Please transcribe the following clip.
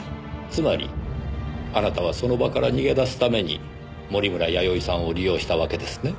つまりあなたはその場から逃げ出すために守村やよいさんを利用したわけですね？